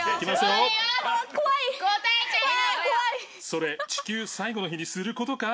「それ地球最後の日にする事か？」